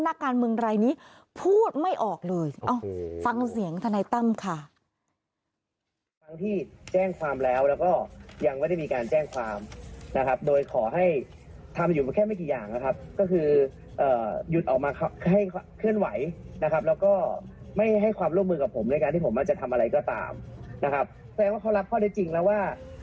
นักการเมืองรายนี้พูดไม่ออกเลยฟังเสียงทนายตั้มค่ะ